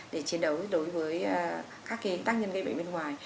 để chiến đấu đối với các tác nhân gây bệnh bên ngoài